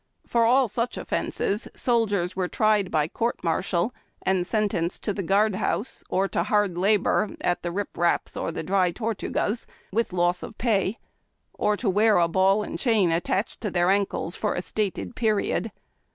For all such offences soldiers were tried by court martial, and sentenced to the guard house or to hard labor at the llip Kaps or the Dry Tortugas, with loss of pay ; or to wear a ball and chain attached to their ankles for a stated period.